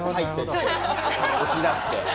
押し出して。